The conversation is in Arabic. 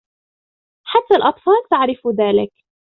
حتى الأطفال تعرف ذلك.